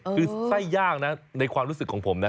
เพราะกรุงกุลความรู้สึกของผมฮะ